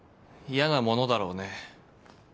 ・嫌なものだろうね。